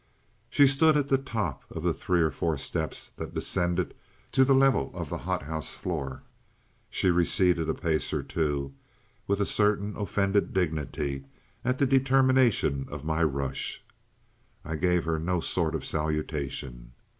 She stood at the top of the three or four steps that descended to the level of the hothouse floor. She receded a pace or two, with a certain offended dignity at the determination of my rush. I gave her no sort of salutation.